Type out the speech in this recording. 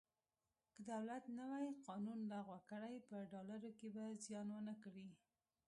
که دولت نوی قانون لغوه کړي په ډالرو کې به زیان ونه کړي.